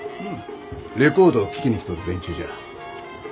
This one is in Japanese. レコードを聴きに来とる連中じゃ。